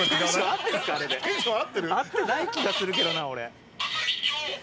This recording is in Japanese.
「合ってない気がするけどな俺」